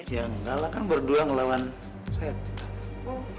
ya enggak lah kan berdua ngelawan setan